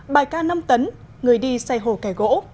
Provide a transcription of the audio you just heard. bài ca năm tấn người đi xây hồ kẻ gỗ